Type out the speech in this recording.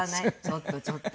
ちょっとちょっと！